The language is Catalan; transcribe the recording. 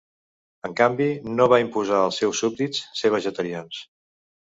En canvi, no va imposar als seus súbdits ser vegetarians.